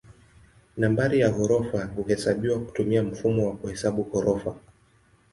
Nambari ya ghorofa huhesabiwa kutumia mfumo wa kuhesabu ghorofa.